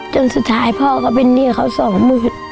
จนสุดท้ายพ่อก็เป็นหนี้เขา๒๐๐บาท